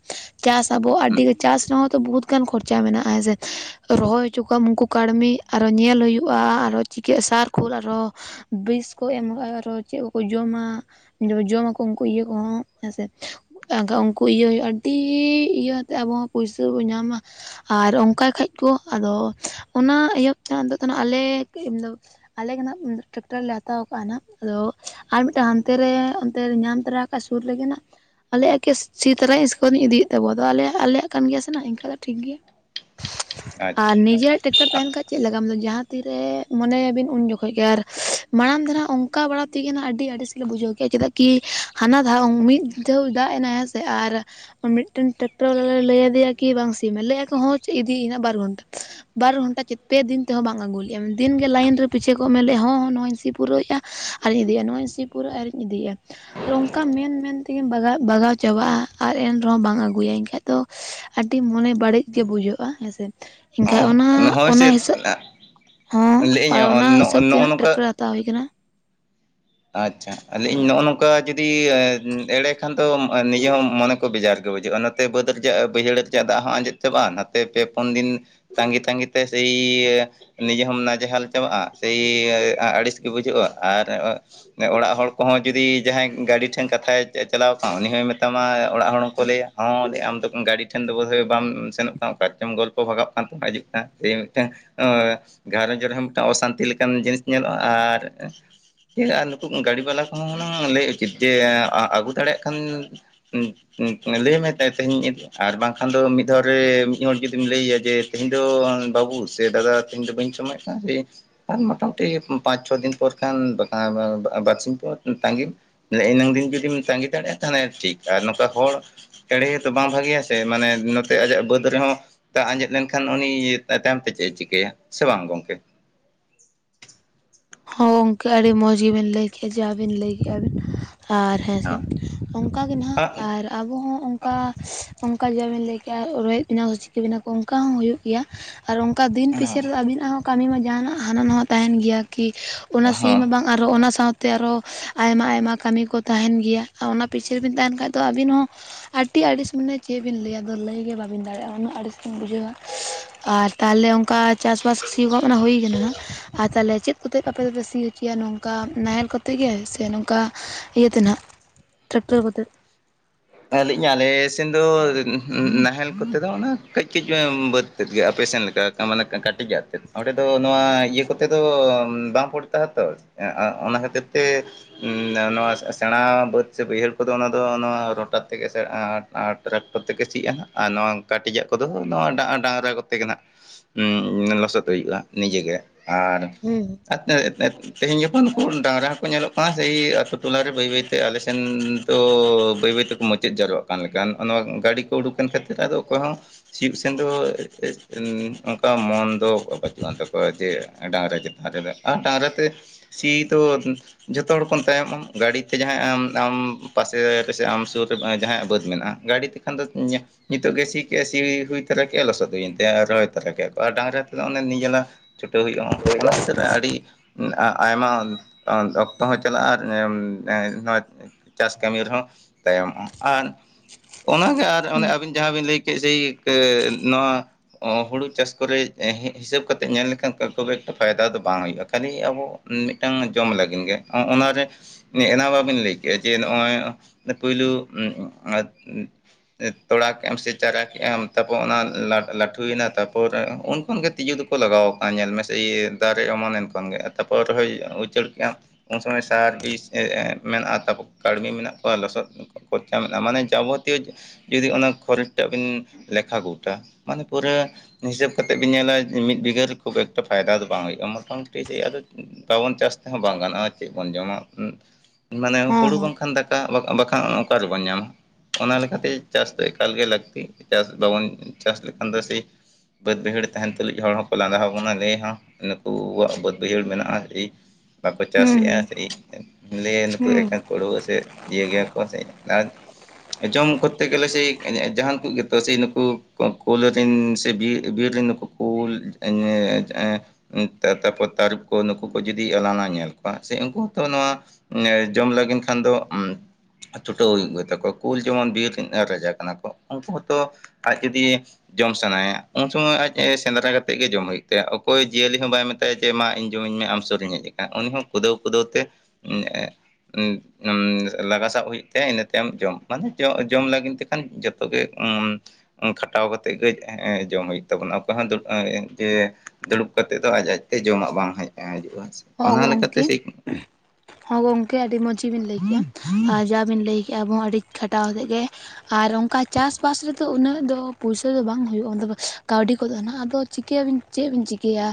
ᱪᱟᱥ ᱟᱵᱚ ᱦᱩᱸ ᱟᱹᱰᱤᱜ ᱪᱟᱥ ᱨᱮᱦᱚᱸ ᱛᱚ ᱵᱚᱦᱩᱛ ᱜᱟᱱ ᱠᱷᱚᱨᱪᱟ ᱢᱮᱱᱟᱜᱼᱟ ᱦᱮᱸᱥᱮ᱾ ᱨᱚᱦᱚᱭ ᱦᱚᱪᱚ ᱠᱚᱣᱟ ᱩᱱᱠᱩ ᱠᱟᱹᱲᱢᱤ ᱟᱨᱚ ᱧᱮᱞ ᱦᱩᱭᱩᱜᱼᱟ ᱟᱨᱚ ᱪᱤᱠᱟᱹᱜᱼᱟ ᱥᱟᱨ ᱠᱷᱳᱞ ᱟᱨᱚᱸ ᱵᱤᱥ ᱠᱚ ᱮᱢᱚᱜᱼᱟ ᱟᱨᱚ ᱪᱮᱫ ᱠᱚᱠᱚ ᱡᱚᱢᱟ᱾ ᱡᱚ ᱢᱟᱠᱚ ᱩᱱᱠᱩ ᱤᱭᱟᱹ ᱠᱚᱦᱚᱸ ᱦᱮᱸᱥᱮ᱾ ᱮᱱᱠᱷᱟ ᱩᱱᱠᱩ ᱤᱭᱟᱹ ᱦᱩᱭᱩᱜᱼᱟ ᱟᱹᱰᱤ ᱤᱭᱟᱹᱛᱮ ᱟᱵᱚ ᱦᱚᱸ ᱯᱩᱭᱥᱟᱹ ᱵᱚᱱ ᱧᱟᱢᱟ᱾ ᱟᱨ ᱚᱱᱠᱟᱭ ᱠᱷᱟᱡ ᱠᱚ, ᱟᱫᱚ ᱚᱱᱟ ᱤᱭᱟᱹ ᱛᱮᱫᱚ ᱠᱟᱱᱟ ᱟᱞᱮ ᱟᱞᱮ ᱦᱟᱜ ᱴᱨᱟᱠᱴᱟᱨ ᱞᱮ ᱦᱟᱛᱟᱣ ᱟᱠᱟᱫᱼᱟᱜ ᱱᱟᱜ ᱟᱫᱚ ᱟᱨ ᱢᱤᱫᱴᱟᱱ ᱦᱟᱱᱛᱮ ᱨᱮ ᱚᱱᱛᱮ ᱧᱟᱢ ᱛᱚᱨᱟ ᱠᱷᱟᱡ ᱥᱩᱨ ᱨᱮᱜᱮ ᱱᱟᱜ ᱟᱞᱮᱭᱟᱜ ᱠᱷᱮᱛ ᱥᱤ ᱛᱟᱨᱟᱭᱟ ᱤᱥᱠᱩᱞᱤᱧ ᱤᱫᱤᱭᱮᱫ ᱛᱟᱵᱚ ᱟᱫᱚ ᱟᱞᱮ ᱟᱞᱮᱭᱟᱜ ᱠᱟᱱ ᱜᱮᱭᱟ ᱥᱮ ᱤᱱᱠᱟᱹ ᱫᱚ᱾ ᱴᱷᱤᱠ ᱜᱮᱭᱟ [unintelligible] ᱟᱪᱪᱷᱟ ᱟᱨ ᱱᱤᱡᱮᱨ ᱴᱮᱠᱴᱟᱨ ᱛᱟᱦᱮᱱ ᱠᱷᱟᱱᱡ ᱪᱮᱫ ᱞᱟᱜ ᱡᱟᱦᱟᱸ ᱛᱤᱨᱮ ᱢᱚᱱᱮ ᱭᱟᱵᱤᱱ ᱩᱱ ᱡᱚᱠᱷᱚᱱ ᱜᱮ, ᱟᱨ ᱢᱟᱲᱟᱝ ᱫᱷᱟᱨᱟ ᱚᱱᱠᱟ ᱵᱟᱲᱟ ᱛᱮᱜᱮ ᱦᱱᱟᱜ ᱟᱹᱰᱤ ᱟᱹᱲᱮᱥ ᱜᱮᱞᱮ ᱵᱩᱡᱷᱟᱹᱣ ᱠᱮᱜᱼᱟ, ᱪᱮᱫᱟᱜ ᱠᱤ ᱦᱟᱱᱟ ᱫᱷᱟᱣ ᱢᱤᱫ ᱫᱷᱟᱣ ᱫᱟᱜ ᱮᱱᱟᱭᱟ ᱥᱮ ᱟᱨ ᱟᱨ ᱢᱤᱫᱴᱮᱱ ᱴᱨᱟᱠᱴᱟᱨ ᱵᱟᱞᱟᱮ ᱞᱟᱹᱭ ᱟᱫᱮᱭᱟ ᱠᱤ ᱵᱟᱝ ᱥᱤᱢ ᱢᱮ ᱞᱟᱹᱭ ᱟᱠᱚ ᱦᱚᱸ ᱪᱮᱫ ᱤᱫᱤᱭᱧᱟᱜ ᱵᱟᱨ ᱜᱷᱚᱱᱴᱟ᱾ ᱵᱟᱨ ᱜᱷᱚᱱᱴᱟ ᱪᱮᱫ ᱯᱮ ᱫᱤᱱ ᱛᱮᱦᱚᱸ ᱵᱟᱝ ᱟᱹᱜᱩ ᱞᱮᱼᱟᱢ ᱫᱤᱱᱜᱮ ᱞᱟᱭᱤᱱ ᱨᱮ ᱯᱤᱪᱷᱟᱹ ᱠᱚᱜ ᱢᱮ ᱞᱟᱹᱭᱥᱴᱟᱭ ᱦᱚᱸ ᱱᱚᱣᱟᱧ ᱥᱤ ᱯᱩᱨᱟᱹᱣᱮᱜᱼᱟ᱾ ᱟᱨᱤᱧ ᱤᱫᱤᱭᱮᱫᱼᱟ ᱱᱚᱜᱼᱚᱭ ᱤᱧ ᱥᱤ ᱯᱩᱨᱟᱹ ᱟᱨᱤᱧ ᱤᱫᱤᱭᱮᱫᱼᱟ᱾ ᱟᱨ ᱚᱱᱠᱟ ᱢᱮᱱ ᱢᱮᱱ ᱛᱮᱜᱮᱢᱟᱜ ᱵᱟᱜᱟᱣ ᱪᱟᱵᱟᱜᱼᱟ ᱟᱨ ᱮᱱ ᱨᱮᱦᱚᱸ ᱵᱟᱝ ᱟᱹᱜᱩᱭᱟ ᱮᱱᱠᱷᱟᱡ ᱫᱚ ᱟᱹᱰᱤ ᱢᱚᱱᱮ ᱵᱟᱹᱲᱤᱡ ᱜᱮ ᱵᱩᱡᱷᱟᱹᱜᱼᱟ ᱦᱮᱸᱥᱮ᱾ ᱮᱱᱠᱷᱟᱡ ᱚᱱᱟ ᱦᱳᱭ ᱚᱱᱟ ᱥᱮ ᱦᱤᱥᱟᱹᱵ ᱦᱚᱸ ᱞᱟᱹᱭᱮᱜ ᱟᱨ ᱚᱱᱟ ᱟᱹᱧ ᱱᱚᱜᱼᱚ ᱦᱤᱥᱟᱹᱵ ᱛᱮᱤᱱᱟᱹᱜ ᱱᱚᱝᱠᱟ ᱴᱠᱴᱟᱨ ᱦᱟᱛᱟᱣ ᱦᱩᱭ ᱟᱠᱟᱱᱟ ᱟᱪᱪᱷᱟ ᱟᱫᱚ ᱤᱧ ᱱᱚᱜᱼᱚᱭ ᱱᱚᱝᱠᱟ ᱡᱩᱫᱤ ᱮᱲᱮ ᱠᱷᱟᱱ ᱫᱚ ᱱᱤᱡᱮ ᱦᱚᱸ ᱢᱚᱱᱮ ᱠᱚ ᱵᱷᱮᱡᱟᱨ ᱜᱮ ᱵᱩᱡᱷᱟᱹᱜᱼᱟ᱾ ᱛᱮ ᱵᱟᱹᱫᱽ ᱨᱮᱭᱟᱜ ᱵᱟᱹᱭᱦᱟᱹᱲ ᱨᱮᱭᱟᱜ ᱫᱟᱜ ᱦᱚᱸ ᱟᱸᱡᱮᱫ ᱪᱟᱵᱟᱜᱼᱟ ᱱᱟᱛᱮ ᱯᱮ ᱯᱩᱱ ᱫᱤᱱ ᱛᱟᱺᱜᱤ ᱛᱟᱺᱜᱤ ᱛᱮ ᱥᱮᱭ ᱱᱤᱡᱮ ᱦᱚᱢ ᱱᱟᱡᱮᱦᱟᱞ ᱪᱟᱵᱟᱜᱼᱟ, ᱥᱮᱭ ᱟᱹᱲᱤᱥ ᱜᱮ ᱵᱩᱡᱷᱟᱹᱜᱼᱟ᱾ ᱟᱨ ᱚᱲᱟᱜ ᱦᱚᱲ ᱠᱚᱦᱚᱸ ᱡᱩᱫᱤ ᱡᱟᱦᱟᱸᱭ ᱜᱟᱹᱰᱤ ᱴᱷᱮᱱ ᱠᱟᱛᱷᱟᱭ ᱪᱟᱞᱟᱣ ᱠᱚᱟᱱ ᱩᱱᱤ ᱦᱚᱭ ᱢᱮᱛᱟᱢᱟ ᱚᱲᱟᱜ ᱦᱚᱲ ᱦᱚᱸᱠᱚ ᱞᱟᱹᱭᱟ᱾ ᱦᱚᱸ ᱞᱟᱹᱭᱟᱢ ᱫᱚ ᱜᱟᱹᱰᱤ ᱴᱷᱮᱱ ᱫᱚ [unintelligible] ᱵᱟᱢ ᱥᱮᱱᱚᱜ ᱠᱟᱱᱟ ᱚᱠᱟ ᱪᱚᱢ ᱜᱚᱞᱯᱚ ᱵᱷᱟᱜᱟᱜ ᱠᱟᱱ ᱛᱮ ᱦᱤᱡᱩᱜ ᱠᱟᱱᱟ ᱢᱤᱫᱴᱟᱝ ᱜᱷᱟᱸᱨᱚᱸᱧᱡᱽ ᱨᱮᱦᱚᱸ ᱢᱤᱫᱴᱟᱱ ᱚᱥᱟᱱᱛᱤ ᱞᱮᱠᱟᱱ ᱡᱤᱱᱤᱥ ᱧᱮᱞᱚᱜᱼᱟ ᱟᱨ ᱮ ᱟᱨ ᱱᱩᱠᱩ ᱜᱟᱹᱰᱤ ᱵᱟᱞᱟ ᱠᱚᱦᱚᱸ ᱦᱩᱱᱟᱹᱝ ᱞᱟᱹᱭ ᱩᱪᱤᱛ, ᱡᱮ ᱟᱹᱜᱩ ᱫᱟᱲᱮᱭᱟᱜ ᱠᱷᱟᱱ ᱞᱟᱹᱭ ᱢᱮ ᱛᱮᱦᱮᱧ ᱟᱨ ᱵᱟᱝᱠᱷᱟᱱ ᱫᱚ ᱢᱤᱫ ᱫᱷᱟᱣ ᱨᱮ ᱢᱤᱫ ᱦᱚᱲ ᱡᱩᱫᱤᱢ ᱞᱟᱹᱭᱟ ᱡᱮ ᱛᱮᱦᱮᱧ ᱫᱚ ᱵᱟᱹᱵᱩ ᱥᱮ ᱫᱟᱫᱟ ᱛᱮᱦᱮᱧ ᱫᱚ ᱵᱟᱹᱧ ᱥᱚᱢᱚᱭ ᱟᱨ ᱢᱚᱴᱟᱢᱩᱴᱤ ᱯᱟᱸᱪ ᱪᱷᱚ ᱫᱤᱱ ᱯᱚᱨ ᱠᱷᱟᱱ [unintelligible] ᱛᱟᱸᱜᱤ ᱤᱱᱟᱹᱝ ᱫᱤᱱ ᱡᱩᱫᱤᱢ ᱛᱟᱸᱜᱤ ᱫᱟᱲᱮᱭᱟᱜᱼᱟ ᱛᱟᱦᱚᱞᱮ ᱴᱷᱤᱠ, ᱟᱨ ᱱᱚᱝᱠᱟ ᱦᱚᱲ ᱮᱲᱮᱛᱚ ᱵᱟᱝ ᱵᱷᱟᱜᱮᱭᱟ ᱥᱮ ᱢᱟᱱᱮ ᱱᱚᱛᱮ ᱟᱡᱟᱜ ᱵᱟᱹᱫᱽ ᱨᱮᱦᱚᱸ ᱫᱟᱜ ᱟᱸᱡᱮᱫ ᱞᱮᱱ ᱠᱷᱟᱱ ᱩᱱᱤ ᱛᱟᱭᱚᱢ ᱛᱮ ᱪᱮᱫᱼᱮ ᱪᱤᱠᱟᱹᱭᱟ ᱥᱮ ᱵᱟᱝ ᱜᱚᱢᱠᱮ? ᱦᱚᱸ ᱜᱚᱝᱠᱮ ᱟᱹᱰᱤ ᱢᱚᱡᱽ ᱜᱮᱵᱤᱱ ᱞᱟᱹᱭ ᱠᱮᱜᱼᱟ ᱡᱮ ᱟᱹᱵᱤᱱ ᱞᱟᱹᱭ ᱠᱮᱜᱼᱟ ᱵᱤᱱ᱾ ᱟᱨ ᱦᱮᱸ ᱥᱮ ᱚᱱᱠᱟᱜᱮ ᱱᱟᱦᱟᱜ ᱦᱮᱸ ᱟᱨ ᱟᱵᱚ ᱦᱚᱸ ᱚᱱᱠᱟ ᱚᱱᱠᱟ ᱤᱥ ᱡᱮ ᱵᱤᱱ ᱞᱟᱹᱭ ᱠᱮᱜᱼᱟ ᱨᱚᱭᱮᱫ ᱵᱮᱱᱟ ᱪᱤᱠᱟᱹ ᱵᱤᱱᱟ ᱠᱚ ᱚᱱᱠᱟ ᱦᱚᱸ ᱦᱩᱭᱩᱜ ᱜᱮᱣᱟ᱾ ᱟᱨ ᱚᱱᱠᱟ ᱫᱤᱱ ᱯᱤᱪᱷᱮ ᱨᱮᱦᱚᱸ ᱟᱵᱤᱱᱟᱜ ᱦᱚᱸ ᱠᱟᱹᱢᱤ ᱢᱟ ᱡᱟᱦᱟᱱᱟᱜ ᱦᱟᱱᱟ ᱱᱟᱣᱟ ᱛᱟᱦᱮᱱ ᱜᱮᱭᱟ ᱠᱤ ᱚᱱᱟ ᱦᱮᱸ ᱥᱤ ᱢᱟ ᱵᱟᱝ᱾ ᱟᱨᱚ ᱚᱱᱟ ᱥᱟᱶᱛᱮ ᱟᱨᱚ ᱟᱭᱢᱟ ᱟᱭᱢᱟ ᱠᱟᱹᱢᱤ ᱠᱚ ᱛᱟᱦᱮᱱ ᱜᱮᱣᱟ ᱚᱱᱟ ᱯᱤᱪᱷᱮ ᱨᱮᱵᱤᱱ ᱛᱟᱦᱮᱱ ᱠᱷᱟᱡ ᱫᱚ ᱟᱹᱵᱤᱱ ᱦᱚᱸ ᱟᱹᱴᱴᱤ ᱟᱹᱲᱤᱥ ᱢᱟᱱᱮ ᱪᱮᱫ ᱵᱤᱱ ᱞᱟᱹᱭᱟ ᱟᱫᱚ ᱞᱟᱹᱭ ᱜᱮ ᱵᱟᱹᱵᱤᱱ ᱫᱟᱲᱮᱼᱟ ᱩᱱᱟᱜ ᱟᱹᱲᱤᱥ ᱵᱩᱡᱷᱟᱹᱣᱟ ᱟᱨ ᱛᱟᱦᱚᱞᱮ ᱚᱱᱠᱟ ᱪᱟᱥᱵᱟᱥ ᱥᱤᱦᱚ ᱦᱚ ᱢᱟᱱᱮ ᱦᱩᱭ ᱠᱟᱱᱟ᱾ ᱟᱨ ᱛᱟᱦᱚᱞᱮ ᱪᱮᱫ ᱠᱚᱛᱮ ᱟᱯᱮ ᱫᱚᱯᱮ ᱥᱤ ᱦᱚᱪᱚᱭᱟ ᱱᱚᱝᱠᱟ ᱱᱟᱦᱮᱞ ᱠᱚᱛᱮ ᱜᱮ ᱥᱮ ᱱᱚᱝᱠᱟ ᱤᱭᱟᱹ ᱛᱮ ᱱᱟᱜ? [unintelligible] ᱟᱹᱞᱤᱧ ᱟᱞᱮ ᱥᱮᱱ ᱫᱚ ᱱᱟᱦᱮᱞ ᱠᱚᱛᱮ ᱫᱚ ᱚᱱᱟ ᱠᱟᱹᱡ ᱠᱟᱹᱡ ᱵᱟᱹᱫᱽ ᱛᱮᱫ ᱜᱮ ᱟᱯᱮ ᱥᱮᱱ ᱞᱮᱠᱟ᱾ ᱢᱟᱱᱮ ᱠᱟᱹ ᱠᱟᱹᱴᱤᱡ ᱟᱫᱛᱮᱫ ᱚᱸᱰᱮᱮᱫ ᱫᱚ ᱱᱚᱣᱟ ᱤᱭᱟᱹ ᱠᱚᱛᱮ ᱫᱚ ᱵᱟᱝ ᱯᱚᱨᱛᱟᱼᱟ ᱛᱚ᱾ ᱮᱸ ᱚ ᱚᱱᱟ ᱦᱚᱸᱛᱮ ᱛᱮ ᱚᱸ ᱱᱚᱣᱟ ᱥᱮᱬᱟ ᱵᱟᱹᱫᱽ ᱥᱮ ᱵᱟᱹᱭᱦᱟᱹᱲ ᱠᱚᱫᱚ ᱚᱱᱟ ᱫᱚ ᱱᱚᱣᱟ ᱨᱚᱴ ᱴᱟᱨ ᱛᱮᱜᱮ ᱴᱨᱟᱠᱴᱚᱨ ᱛᱮᱜᱮ ᱥᱤᱼᱟ ᱦᱟᱸᱜ ᱟᱨ ᱱᱚᱣᱟ ᱠᱟᱹᱴᱤᱡᱟᱜ ᱠᱚᱫᱚ ᱱᱚᱣᱟ ᱰᱟᱜ ᱰᱟᱝᱨᱟ ᱠᱚᱛᱮ ᱜᱮ ᱦᱟᱸᱜ ᱞᱚᱥᱚᱫ ᱦᱩᱭᱩᱜ-ᱟ ᱱᱤᱡᱮ ᱜᱮ ᱟᱨ ᱮᱫ ᱛᱮᱦᱮᱧ ᱜᱟᱯᱟ ᱱᱩᱠᱩ ᱰᱟᱝᱨᱟ ᱦᱚᱸᱠᱚ ᱧᱮᱞᱚᱜ ᱠᱟᱱᱟ ᱥᱮᱭ ᱟᱛᱩᱳ ᱴᱚᱞᱟ ᱨᱮ ᱵᱟᱹᱭ ᱵᱟᱹᱭᱛᱮ ᱟᱞᱮᱥᱱ᱾ ᱛᱚ ᱵᱟᱹᱭ ᱵᱟᱹᱭ ᱛᱮᱠᱚ ᱢᱩᱪᱟᱹᱫ ᱡᱟᱨᱣᱟᱜ ᱠᱟᱱ ᱞᱮᱠᱟ ᱱᱚᱣᱟ ᱜᱟᱹᱰᱤ ᱠᱚ ᱩᱰᱩᱠ ᱠᱮᱱ ᱠᱷᱟᱹᱛᱤᱨ ᱟᱫᱚ ᱚᱠᱚᱭ ᱦᱚᱸ ᱪᱤᱯ ᱥᱮᱱ ᱫᱚ ᱮᱠ ᱮᱠ ᱩᱸ ᱚᱱᱠᱟ ᱢᱚᱱ ᱫᱚ ᱵᱟᱹ ᱵᱟᱹᱪᱩᱜ ᱠᱟᱱ ᱛᱟᱠᱚᱣᱟ ᱡᱮ ᱰᱟᱝᱨᱟ ᱪᱮᱛᱟᱱ ᱨᱮ ᱫᱚ ᱟᱨ ᱰᱟᱽᱝᱨᱟ ᱛᱮ ᱥᱤ ᱫᱚ᱾ ᱡᱷᱚᱛᱚ ᱦᱚᱲ ᱠᱷᱚᱱ ᱛᱟᱭᱚᱢ ᱟᱢ ᱜᱟᱹᱰᱤᱛᱮ ᱡᱟᱦᱟᱸᱭ ᱟᱢ ᱟᱢ ᱯᱟᱥᱮ ᱨᱮᱥᱮ ᱟᱢ ᱥᱩᱨ᱾ ᱡᱟᱦᱟᱸᱭᱟᱜ ᱵᱟᱹᱫ ᱢᱮᱱᱟᱜᱼᱟ ᱜᱟᱹᱰᱤ ᱛᱮᱠᱷᱟᱱ ᱫᱚ ᱧᱮ ᱱᱤᱛᱚᱜ ᱜᱮ ᱥᱤ ᱠᱮᱭᱟ ᱥᱤ ᱦᱩᱭ ᱛᱟᱨᱟ ᱠᱮᱭᱟ ᱞᱚᱥᱚᱫ ᱦᱩᱭ ᱮᱱ ᱛᱟᱭᱟ ᱟᱨ ᱨᱚᱦᱚᱭ ᱛᱟᱨᱟ ᱠᱮᱭᱟ ᱠᱚ ᱟᱨ ᱰᱟᱝᱨᱟ ᱛᱮᱫᱚ ᱚᱱᱮ ᱱᱤᱡᱟᱞᱟ ᱪᱷᱩᱴᱟᱹᱣ ᱦᱩᱭᱩᱜᱼᱟ ᱚᱱᱟ ᱠᱷᱟᱹᱛᱤᱨ ᱟᱹᱰᱤ᱾ ᱟᱭᱢᱟ ᱚᱠᱛᱚ ᱦᱚᱸ ᱪᱟᱞᱟᱜ-ᱟ ᱟᱨ ᱱᱚ-ᱚᱣ ᱪᱟᱥ ᱠᱟᱹᱢᱤ ᱨᱮᱦᱚᱸ᱾ ᱛᱟᱭᱚᱢᱚᱜᱼᱟ ᱟᱨ ᱚᱱᱟᱜᱮ ᱟᱨ ᱚᱱᱮ ᱦᱩᱸ ᱟᱹᱵᱤᱱ ᱡᱟᱦᱟᱸ ᱵᱤᱱ ᱞᱟᱹᱭ ᱠᱮᱫ ᱥᱮᱭ ᱠᱮ ᱱᱚᱣᱟ᱾ ᱚ ᱦᱩᱲᱩ ᱪᱟᱥ ᱠᱚᱨᱮ ᱦᱮᱸ ᱦᱤᱥᱟᱹᱵ ᱠᱟᱛᱮᱜ ᱧᱮᱞ ᱞᱮᱠᱷᱟᱱ ᱠᱟᱵ ᱠᱷᱩᱵ ᱮᱠᱴᱟ ᱯᱷᱟᱭᱫᱟ ᱫᱚ ᱵᱟᱝ ᱦᱩᱭᱩᱜᱼᱟ ᱠᱷᱟᱹᱞᱤ ᱟᱵᱚ᱾ ᱢᱤᱫᱴᱟᱝ ᱡᱚᱢ ᱞᱟᱹᱜᱤᱱ ᱜᱮ ᱚᱸ ᱚᱱᱟᱨᱮ ᱮᱱᱟ ᱵᱟᱵᱤᱱ ᱞᱟᱹᱭ ᱠᱮᱫᱮᱜᱼᱟ ᱡᱮ ᱱᱚᱜᱼᱚᱭ᱾ ᱯᱩᱭᱞᱩ [inaudible] ᱛᱚᱲᱟ ᱠᱮᱫᱢ ᱥᱮ ᱪᱟᱨᱟ ᱠᱮᱣᱟᱢ ᱛᱟᱨᱯᱚᱨ ᱚᱱᱟ ᱞᱟ ᱞᱟᱹᱴᱷᱩᱭᱮᱱᱟ ᱛᱟᱯᱚᱨ ᱩᱱ ᱠᱷᱚᱱ ᱜᱮ ᱛᱤᱡᱩ ᱫᱚᱠᱚ᱾ ᱠᱚ ᱞᱟᱜᱟᱣ ᱟᱠᱚᱱ ᱧᱮᱞ ᱢᱮᱥᱮ ᱥᱮᱭ ᱫᱟᱨᱮ ᱚᱢᱚᱱᱮᱱ ᱠᱷᱚᱱ ᱜᱮ ᱛᱟᱨᱯᱚᱨ ᱨᱚᱦᱚᱭ ᱩᱪᱟᱹᱲ ᱠᱮᱫ ᱟᱢ᱾ ᱩᱱ ᱥᱚᱢᱚᱭ ᱥᱟᱨ ᱵᱷᱤᱥ ᱮᱸ ᱮᱸ ᱢᱮᱱᱟᱜᱼᱟ ᱛᱟᱯᱚ ᱠᱟᱹᱲᱢᱤ ᱢᱮᱱᱟᱜ᱾ ᱚᱠᱟ ᱞᱚᱥᱫ ᱠᱚᱪᱟ ᱢᱮᱱᱟᱜ-ᱟ ᱢᱟᱱᱮ ᱡᱵᱚᱛᱤᱭ ᱡᱩᱫᱤ ᱚᱱᱟ ᱠᱷᱚᱨᱪ ᱴᱟᱜ ᱵᱤᱱ ᱞᱮᱠᱷᱟ ᱜᱩᱴᱟ ᱢᱟᱱᱮ ᱯᱩᱨᱟᱹ ᱦᱤᱥᱟᱹᱵ ᱠᱟᱛᱮᱜ ᱵᱤᱱ ᱧᱮᱞᱟ ᱢᱤᱫ ᱵᱤᱜᱷᱟᱹ ᱨᱮ ᱠᱷᱩᱵ ᱮᱠᱴᱟ ᱯᱷᱟᱭᱫᱟ ᱫᱚ ᱵᱟᱝ ᱦᱩᱭᱩᱜᱼᱟ ᱢᱚᱴᱟᱢᱩᱴᱤ ᱪᱮ ᱟᱫᱚ ᱵᱟᱵᱚᱱ ᱪᱟᱥ ᱛᱮᱦᱚᱸ ᱵᱟᱝ ᱜᱟᱱᱚᱜᱼᱟ ᱪᱮᱫ ᱵᱚᱱ ᱡᱚᱢᱟ ᱢᱟᱱᱮ ᱦᱩᱲᱩ ᱦᱮᱸ ᱵᱟᱝᱠᱷᱟᱱ ᱫᱟᱠᱟ᱾ ᱫᱟᱜ ᱵᱟᱜ ᱵᱟᱠᱷᱟᱱ ᱚᱠᱟ ᱨᱮᱵᱚᱱ ᱧᱟᱢᱟ᱾ ᱚᱱᱟ ᱞᱮᱠᱟᱛᱮ ᱪᱟᱥ ᱫᱚ ᱮᱠᱟᱞᱜᱮ ᱞᱟᱹᱠᱛᱤ ᱪᱟᱥ ᱵᱟᱵᱚᱱ ᱪᱟᱥ ᱞᱮᱠᱷᱟᱱ ᱫᱚ ᱥᱮ᱾ ᱵᱟᱹᱫᱽ ᱵᱟᱹᱭᱦᱟᱹᱲ ᱛᱟᱦᱮᱱ ᱛᱩᱞᱩᱡ ᱦᱚᱲ ᱦᱚᱸᱠᱚ ᱞᱟᱸᱫᱟ ᱦᱟᱵᱚᱱᱟ ᱞᱟᱹᱭ ᱦᱚᱸ᱾ ᱱᱩᱠᱩᱣᱟᱜ ᱵᱟᱹᱫᱽ ᱵᱟᱹᱭᱦᱟᱹᱲ ᱢᱮᱱᱟᱜᱼᱟ ᱮᱭ ᱵᱟᱠᱚ ᱪᱟᱥ ᱦᱮᱸ ᱮᱭᱟ ᱦᱩᱸ ᱥᱮ ᱮᱭ ᱞᱮᱭ ᱱᱩᱠᱩ ᱦᱩᱸ ᱮᱠᱟ ᱠᱩᱲᱣᱟᱹ ᱥᱮ ᱤᱭᱟᱹ ᱜᱮᱣᱟ ᱠᱚ ᱥᱮ ᱪᱟᱥ ᱡᱚᱢ ᱠᱚᱨᱛᱮ ᱜᱮᱞᱮ ᱥᱮ ᱡᱟᱦᱟᱱ ᱠᱚ ᱜᱮᱛᱚ ᱥᱮ ᱱᱩᱠᱩ ᱠᱩᱞ ᱨᱮᱱ ᱥᱮ ᱵᱤᱨ ᱵᱤᱨ ᱨᱮᱱ ᱱᱩᱠᱩ᱾ [unintelligible] ᱱᱩᱠ ᱛᱟ ᱛᱟᱨᱯᱚᱨ ᱛᱟᱹᱨᱩᱯ ᱠᱚ ᱱᱩᱠᱩ ᱠᱚ ᱡᱩᱫᱤ ᱟᱞᱟᱝᱞᱟᱝ ᱧᱮᱞ ᱠᱚᱣᱟ ᱥᱮ ᱩᱱᱝᱠᱩ ᱦᱚᱸᱛᱚ ᱱᱚᱣᱟ ᱱᱮ ᱡᱚᱢ ᱞᱟᱹᱜᱤᱫ ᱠᱷᱟᱱ ᱫᱚ ᱩ ᱪᱷᱩᱴᱟᱹᱣ ᱦᱩᱭᱩᱜ ᱜᱮ ᱛᱟᱟᱠᱚᱣᱟ ᱠᱩᱞ ᱡᱮᱢᱚᱱ ᱵᱤᱨ ᱨᱤᱱ ᱨᱟᱡᱟ ᱠᱟᱱᱟ ᱠᱚ ᱩᱱᱠᱩ ᱦᱚᱸᱛᱚ ᱟᱡ ᱡᱩᱫᱤ ᱡᱚᱢ ᱥᱟᱱᱟᱭᱟ ᱩᱱ ᱥᱚᱢᱚᱭ ᱟᱡ ᱮᱸ ᱥᱮᱸᱫᱽᱨᱟ ᱠᱟᱛᱮᱜ ᱜᱮ ᱡᱚᱢ ᱦᱩᱭᱩᱜ ᱛᱟᱣᱟ ᱚᱠᱚᱭ ᱡᱤᱭᱟᱹᱞᱤ ᱦᱚᱸ ᱵᱟᱭ ᱢᱮᱛᱟ ᱢᱮᱛᱟᱭ ᱡᱮ ᱢᱟ ᱤᱧ ᱡᱚᱢᱤᱧ ᱢᱮ ᱟᱢ ᱥᱩᱨᱤᱧ ᱦᱮᱡ ᱟᱠᱟᱱ ᱩᱱᱤ ᱦᱚᱸ ᱠᱷᱩᱫᱟᱹᱣ ᱠᱩᱩᱫᱟᱹᱣ ᱛᱮ ᱮᱸ ᱩᱢ ᱞᱟᱜᱟ ᱥᱟᱵ ᱦᱩᱭᱩᱜ ᱛᱟᱭᱟ ᱤᱱᱟᱹᱛᱮ ᱡᱚᱢ ᱢᱟᱱᱮ ᱡᱚ ᱡᱚᱢ ᱞᱟᱹᱜᱤᱫ ᱛᱮᱠᱷᱟᱱ ᱡᱚᱛᱚᱜ ᱜᱮ ᱩᱢ ᱠᱷᱟᱴᱟᱣ ᱠᱟᱛᱮᱜ ᱜᱮ ᱦᱮᱸᱡᱚᱢ ᱦᱩᱭᱩᱜ ᱛᱟᱵᱚᱱᱟ ᱚᱠᱚᱭ ᱦᱚᱸ ᱫᱩᱠ ᱡᱮ ᱫᱩᱲᱩᱵ ᱠᱟᱛᱮᱫ ᱫᱚ ᱟᱡ ᱟᱡᱛᱮ ᱡᱚᱢᱼᱟᱜ ᱵᱟᱝ ᱦᱮᱡ ᱦᱤᱡᱩᱜᱼᱟ ᱦᱮᱸᱥᱮ ᱦᱚᱸ ᱚᱱᱟ ᱞᱮᱠᱟᱛᱮ ᱜᱚᱝᱠᱮ ᱥᱮᱭ᱾ ᱦᱚᱸ ᱜᱚᱝᱠᱮ ᱟᱹᱰᱤ ᱢᱚᱸᱡᱽ ᱜᱮᱵᱤᱱ ᱞᱟᱹᱭ ᱠᱮᱜᱼᱟ ᱟᱨ ᱡᱟ ᱵᱤᱱ ᱞᱟᱹᱭ ᱠᱮᱜᱼᱟ ᱟᱵᱚ ᱟᱹᱰᱤ ᱠᱷᱟᱴᱟᱣ ᱠᱟᱛᱜ ᱜᱮ᱾ ᱟᱨ ᱚᱝᱠᱟ ᱪᱟᱥᱼᱵᱟᱥ ᱨᱮᱫᱚ ᱩᱱᱟᱹᱜ ᱫᱚ ᱯᱩᱭᱥᱟᱹ ᱫᱚ ᱵᱟᱝ ᱦᱩᱭᱩᱜᱼᱟ ᱠᱟᱹᱣᱰᱤ ᱠᱚᱫᱚ ᱦᱟᱱᱟᱜ ᱟᱫᱚ᱾ ᱪᱤᱠᱟᱹᱭ ᱟᱵᱤᱱ ᱪᱮᱫᱵᱤᱱ ᱪᱤᱠᱟᱹᱭᱟ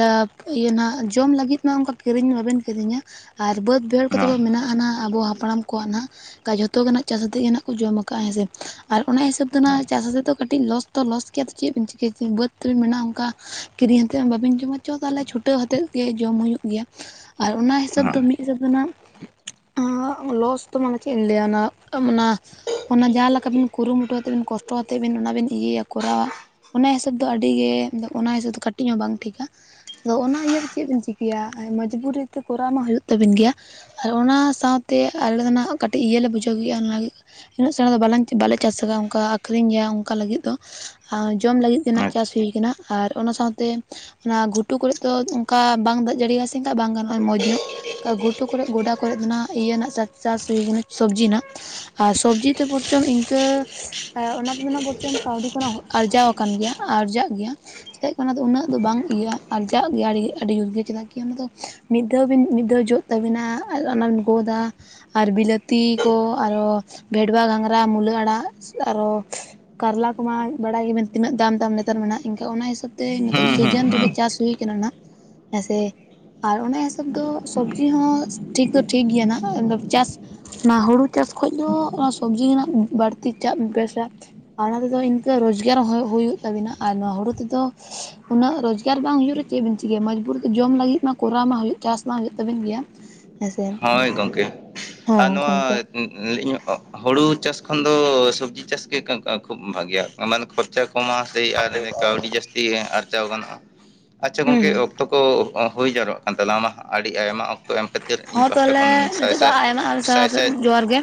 ᱞᱟᱵᱷ ᱤᱭᱟᱹ ᱱᱟᱦᱜ᱾ ᱡᱚᱢ ᱞᱟᱹᱜᱤᱫ ᱢᱟ ᱚᱱᱠᱟ ᱠᱤᱨᱤᱧ ᱵᱟᱵᱮᱱ ᱠᱤᱨᱤᱧᱟ ᱟᱨ ᱵᱟᱹᱫ ᱵᱟᱹᱭᱦᱟᱹᱲ ᱠᱚᱛᱮ ᱫᱚ ᱢᱮᱱᱟᱜᱼᱟ ᱦᱟᱱᱟ ᱟᱵᱚ ᱦᱟᱯᱲᱟᱢ ᱠᱚᱣᱟᱜ ᱱᱟᱦᱜ ᱡᱷᱚᱛᱚ ᱜᱮ ᱱᱟᱦᱜ ᱪᱟᱥ ᱟᱛᱮᱜ ᱜᱮ ᱱᱟᱦᱜ ᱠᱚ ᱡᱚᱢ ᱠᱟᱜᱼᱟ ᱦᱮᱸ ᱥᱮ ᱟᱨ ᱚᱱᱟ ᱦᱤᱥᱟᱹᱵ ᱛᱮ ᱢᱟ ᱪᱟᱥᱮᱫ ᱫᱚ ᱠᱟᱹᱴᱤᱡ ᱞᱚᱥ ᱫᱚ ᱞᱚᱥ ᱜᱮᱭᱟ ᱟᱫᱚ ᱪᱮᱫ ᱵᱮᱱ ᱪᱤᱠᱟᱹᱭᱟ ᱵᱟᱹᱫᱽ ᱛᱮ ᱢᱮᱱᱟᱜᱼᱟ ᱚᱱᱠᱟ ᱠᱤᱨᱤᱧᱛᱮᱫ ᱦᱚᱸ ᱵᱟᱵᱮᱱ ᱡᱚᱢᱟ ᱪᱚ ᱛᱟᱦᱞᱮ ᱪᱷᱩᱴᱟᱹᱣ ᱟᱛᱮᱫ ᱜᱮ ᱡᱚᱢ ᱦᱩᱭᱩᱜ ᱜᱮᱭᱟ ᱟᱨ ᱚᱱᱟ ᱦᱤᱥᱟᱹᱵᱽ ᱦᱚᱸ ᱫᱚ ᱢᱤᱫ ᱦᱤᱥᱟᱹᱵᱽ ᱫᱚ ᱱᱟᱦᱜ ᱞᱚᱥ ᱫᱚ ᱢᱟᱱᱮ ᱪᱮᱫ ᱤᱧ ᱞᱟᱹᱭᱟ ᱚᱱᱟ ᱚᱱᱟ ᱚᱱᱟ ᱡᱟᱦᱟᱸ ᱞᱮᱠᱟ ᱵᱤᱱ ᱠᱩᱨᱩᱢᱩᱴᱩ ᱟᱛᱮ ᱵᱤᱱ ᱠᱚᱥᱴᱚ ᱛᱮ ᱵᱤᱱ ᱚᱱᱟ ᱵᱤᱱ ᱤᱭᱟᱹᱭᱟ ᱠᱚᱨᱟᱣᱟ ᱚᱱᱟ ᱦᱤᱥᱟᱹᱵ ᱫᱚ ᱟᱹᱰᱤ ᱜᱮ ᱚᱱᱟ ᱦᱤᱥᱟᱹᱵ ᱫᱚ ᱠᱟᱹᱴᱤᱡ ᱦᱚᱸ ᱵᱟᱝ ᱴᱷᱤᱠᱟ᱾ ᱟᱫᱚ ᱚᱱᱟ ᱤᱭᱟᱹᱛᱮ ᱪᱮᱫ ᱵᱤᱱ ᱪᱤᱠᱟᱹᱭᱟ ᱢᱚᱡᱽᱵᱩᱨᱤ ᱛᱮ ᱠᱚᱨᱟᱣ ᱢᱟ ᱦᱩᱭᱩᱜ ᱛᱟᱵᱤᱱ ᱜᱮᱭᱟ᱾ ᱟᱨ ᱚᱱᱟ ᱥᱟᱶᱛᱮ ᱟᱞᱮ ᱦᱚᱸ ᱱᱟᱦᱜ ᱠᱟᱹᱴᱤᱡ ᱤᱭᱟᱹᱞ ᱞᱮ ᱵᱩᱡᱷᱟᱹᱣ ᱜᱮᱭᱟ ᱚᱱᱟ ᱜᱮ ᱩᱱᱟᱹᱜ ᱥᱮᱬᱟ ᱫᱚ ᱵᱟᱞᱟᱧ ᱵᱟᱞᱮ ᱪᱟᱥ ᱠᱟᱫᱟ ᱚᱱᱠᱟ ᱟᱠᱷᱨᱤᱧ ᱜᱮᱭᱟ ᱚᱱᱠᱟ ᱞᱟᱹᱜᱤᱫ ᱫᱚ᱾ ᱟ ᱡᱚᱢ ᱞᱟᱹᱜᱤᱫ ᱜᱮ ᱱᱟᱦᱜ ᱟᱪᱪᱷᱟ ᱪᱟᱥ ᱦᱩᱭ ᱠᱟᱱᱟ ᱟᱨ ᱚᱱᱟ ᱥᱟᱶᱛᱮ ᱚᱱᱟ ᱜᱷᱩᱴᱩ ᱠᱚᱨᱮᱫ ᱫᱚ ᱚᱱᱠᱟ ᱵᱟᱝ ᱫᱟᱲᱮᱭᱟᱜᱼᱟ ᱥᱮ ᱮᱱᱠᱷᱟᱡ ᱵᱟᱝ ᱜᱟᱱᱚᱜᱼᱟ ᱢᱚᱸᱡᱽ ᱧᱚᱜ ᱜᱷᱩᱴᱩ ᱠᱚᱨᱮᱜ ᱜᱚᱰᱟ ᱠᱚᱨᱮᱜ ᱫᱚ ᱱᱟᱦᱜ ᱤᱭᱟᱹ ᱨᱮᱱᱟᱜ ᱪᱟᱥ ᱪᱟᱥ ᱦᱩᱭ ᱟᱠᱟᱱᱟ ᱥᱚᱵᱽᱡᱤ ᱱᱟᱦᱜ᱾ ᱟᱨ ᱥᱚᱵᱽᱡᱤ ᱛᱮ ᱵᱚᱨᱪᱚᱝ ᱤᱱᱠᱟᱹ ᱚᱱᱟ ᱛᱮᱫᱚ ᱱᱟᱦᱚ ᱵᱚᱨᱪᱚᱢ ᱠᱟᱹᱣᱰᱤ ᱠᱚ ᱟᱨᱡᱟᱣ ᱟᱠᱟᱱ ᱜᱮᱭᱟ ᱟᱨᱡᱟᱜ ᱜᱮᱭᱟ ᱪᱮᱫ ᱟᱱᱟ ᱩᱱᱟᱹᱜ ᱫᱚ ᱵᱟᱝ ᱤᱭᱟᱹᱜᱼᱟ ᱟᱨᱡᱟᱜ ᱜᱮᱭᱟ ᱟᱹᱰᱤ ᱡᱳᱨ ᱜᱮ ᱪᱮᱫᱟᱜ ᱠᱤ ᱚᱱᱟ ᱫᱚ ᱢᱤᱫ ᱫᱷᱟᱣ ᱵᱤᱱ ᱢᱤᱫ ᱫᱷᱟᱣ ᱡᱚᱜ ᱛᱟᱹᱵᱤᱱᱟ ᱟᱨ ᱚᱱᱟᱢ ᱜᱚᱫ ᱟ ᱟᱨ ᱵᱤᱞᱟᱹᱛᱤ ᱠᱚ ᱟᱨᱚ ᱵᱷᱮᱰᱣᱟ ᱜᱷᱟᱝᱜᱽᱨᱟ ᱢᱩᱞᱟᱹ ᱟᱲᱟᱜ ᱟᱨᱚ ᱠᱟᱨᱞᱟ ᱠᱚᱢᱟ ᱵᱟᱲᱟᱭ ᱜᱮᱭᱟ ᱵᱤᱱ ᱛᱤᱱᱟᱹᱜ ᱫᱟᱢ ᱫᱟᱢ ᱱᱮᱛᱟᱨ ᱢᱟ ᱱᱟᱦᱜ ᱤᱱᱠᱟᱹ ᱚᱱᱟ ᱦᱤᱥᱟᱹᱵ ᱛᱮ ᱱᱤᱛᱚᱜ ᱦᱩᱸ ᱦᱩᱸ ᱥᱤᱡᱤᱱ ᱨᱮᱜᱮ ᱦᱩᱸ ᱪᱟᱥ ᱦᱩᱭ ᱠᱟᱱᱟ ᱱᱟᱦᱜ᱾ ᱦᱮᱸᱥᱮ ᱟᱨ ᱚᱱᱟ ᱦᱤᱥᱟᱹᱵ ᱫᱚ ᱥᱚᱵᱽᱡᱤ ᱦᱚᱸ ᱴᱷᱤᱠ ᱫᱚ ᱴᱷᱤᱠ ᱜᱮᱭᱟ ᱱᱟᱦᱜ ᱪᱟᱥ ᱚᱱᱟ ᱦᱩᱲᱩ ᱪᱟᱥ ᱠᱷᱚᱡ ᱫᱚ ᱚᱱᱟ ᱥᱚᱵᱡᱤ ᱨᱮᱱᱟᱜ ᱵᱟᱹᱲᱛᱤ ᱪᱟᱥ ᱵᱮᱥᱟ᱾ ᱟᱨ ᱚᱱᱟ ᱛᱮᱫᱚ ᱤᱱᱠᱟᱹ ᱨᱚᱡᱽᱜᱟᱨ ᱦᱚᱸ ᱦᱩᱭᱩᱜ ᱛᱟᱵᱤᱱᱟ ᱟᱨ ᱱᱚᱣᱟ ᱦᱩᱲᱩ ᱛᱮᱫᱚ ᱩᱱᱟᱹᱜ ᱨᱳᱡᱽᱜᱟᱨ ᱵᱟᱝ ᱦᱩᱭᱩᱜ ᱨᱮ ᱪᱮᱫ ᱵᱤᱱ ᱪᱤᱠᱟᱹᱭᱟ ᱢᱚᱡᱽᱵᱩᱨ ᱫᱚ ᱡᱚᱢ ᱞᱟᱹᱜᱤᱫ ᱢᱟ ᱠᱚᱨᱟᱣ ᱢᱟ ᱦᱩᱭᱩᱜ ᱪᱟᱥ ᱢᱟ ᱦᱩᱭᱩᱜ ᱛᱟᱵᱮᱱ ᱜᱮᱭᱟ᱾ ᱦᱮᱸᱥᱮ ᱦᱳᱭ ᱜᱚᱢᱠᱮ ᱟᱨ ᱦᱚᱸ ᱱᱚᱣᱟ ᱜᱚᱝᱠᱮ ᱞᱟᱹᱭ ᱧᱚᱜ ᱦᱩᱲᱩ ᱪᱟᱥ ᱠᱷᱚᱱ ᱫᱚ ᱥᱚᱵᱽᱡᱤ ᱪᱟᱥᱜᱮ ᱠᱷᱩᱵ ᱵᱷᱟᱮᱜᱭᱟ ᱚᱱᱟ ᱫᱚ ᱠᱷᱚᱨᱪᱟ ᱠᱚᱢ ᱟ ᱛᱮ ᱟᱨ ᱠᱟᱹᱣᱰᱤ ᱡᱟᱹᱥᱛᱤ ᱟᱨᱡᱟᱣ ᱜᱟᱱᱚᱜᱼᱟ ᱟᱪᱪᱷᱟ ᱦᱩᱸ ᱜᱚᱝᱠᱮ ᱚᱠᱛᱚ ᱠᱚ ᱦᱩᱭ ᱡᱟᱣᱨᱟᱜ ᱠᱟᱱ ᱛᱟᱞᱟᱝᱟ ᱟᱹᱰᱤ ᱟᱭᱢᱟ ᱚᱠᱛᱚ ᱮᱢ ᱠᱷᱟᱹᱛᱤᱨ ᱤᱧ ᱦᱚᱸ ᱯᱟᱥᱴᱟ ᱛᱟᱦᱚᱞᱮ ᱠᱷᱚᱱ ᱥᱟᱭ ᱱᱤᱛᱚᱜ ᱫᱚ ᱥᱟᱭ ᱟᱭᱢᱟ ᱟᱭᱢᱟ ᱥᱟᱭ ᱥᱟᱭ ᱥᱟᱨᱦᱟᱣ ᱡᱚᱦᱟᱨ ᱜᱮ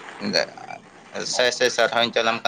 [unintelligible] ᱥᱟᱭ ᱥᱟᱭ ᱥᱟᱨᱦᱟᱣ ᱤᱧ ᱪᱟᱞᱟᱢ ᱟ᱾